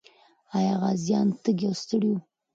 آیا غازیان تږي او ستړي وو؟